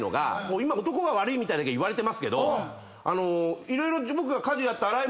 今男が悪いみたいなだけ言われてますけど色々。